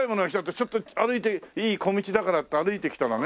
ちょっと歩いていい小道だからって歩いてきたらね